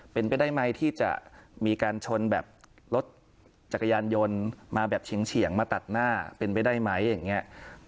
เป็นไปได้ไหมที่จะมีการชนแบบรถจักรยานยนต์มาแบบเฉียงมาตัดหน้าเป็นไปได้ไหมอย่างนี้